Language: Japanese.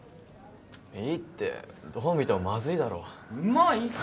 いいってどう見てもマズいだろうまいって！